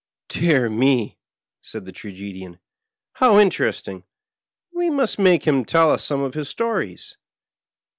*' "Dear me," said the Tragedian; "how interesting! We must make him tell us some of his stories.